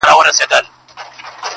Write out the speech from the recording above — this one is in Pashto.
دا يې د ميــــني تـرانـــه ماته كــړه.